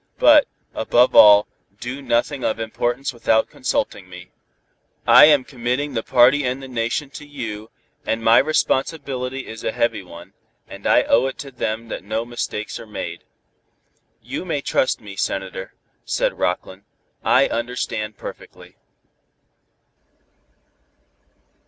But, above all, do nothing of importance without consulting me. "I am committing the party and the Nation to you, and my responsibility is a heavy one, and I owe it to them that no mistakes are made." "You may trust me, Senator," said Rockland. "I understand perfectly."